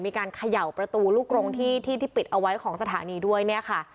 มีการเขย่าประตูลูกกรงที่ที่ปิดเอาไว้ของสถานีด้วยเนี่ยค่ะ